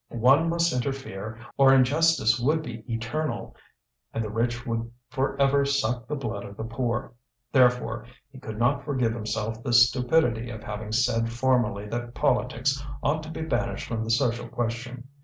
one must interfere, or injustice would be eternal, and the rich would for ever suck the blood of the poor. Therefore he could not forgive himself the stupidity of having said formerly that politics ought to be banished from the social question.